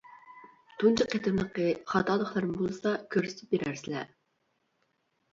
تۇنجى قېتىملىقى خاتالىقلىرىم بولسا كۆرسىتىپ بېرەرسىلەر!